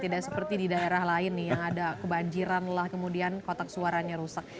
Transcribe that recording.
tidak seperti di daerah lain nih yang ada kebanjiran lah kemudian kotak suaranya rusak